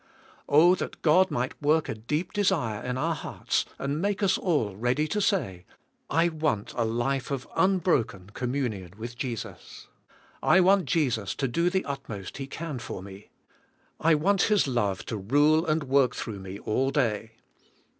Oh, that God mig ht work a deep de sire in our hearts and make us all ready to say, I want a life of unbroken communion with Jesus. I want Jesus to do the utmost He can for me. I want His love to rule and work throug h me all day.